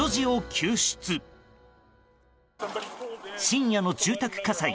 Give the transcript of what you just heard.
深夜の住宅火災。